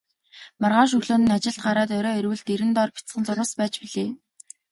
Маргааш өглөө нь ажилд гараад орой ирвэл дэрэн доор бяцхан зурвас байж билээ.